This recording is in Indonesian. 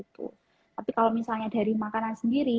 tapi kalau misalnya dari makanan sendiri